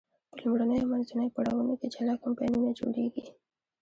په لومړنیو او منځنیو پړاوونو کې جلا کمپاینونه جوړیږي.